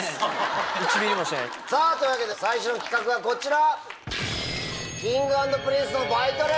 さぁというわけで最初の企画はこちら！